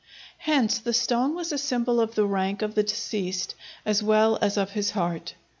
Hence, the stone was a symbol of the rank of the deceased as well as of his heart.